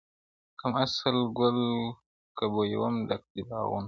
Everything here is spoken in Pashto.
کم اصل ګل که بویوم ډک دي باغونه!.